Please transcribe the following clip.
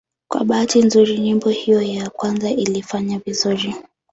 Kwa bahati nzuri nyimbo hiyo ya kwanza ilifanya vizuri.